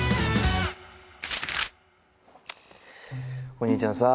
お兄ちゃんさ。